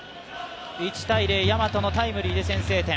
１−０、大和のタイムリーで先制点。